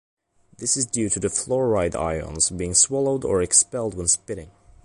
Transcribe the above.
This is due to the fluoride ions being swallowed or expelled when spitting.